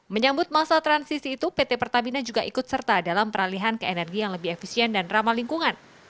menyambut masa transisi itu pt pertamina juga ikut serta dalam peralihan ke energi yang lebih efisien dan ramah lingkungan